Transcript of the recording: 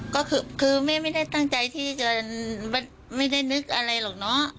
ก็คือแม่ไม่ได้ตั้งใจที่จะไม่ได้นึกอะไรหรอกเนาะ